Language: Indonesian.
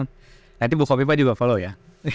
nanti bu kopi pa juga follow ya